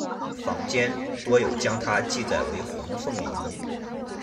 坊间多有将她记载为黄凤仪。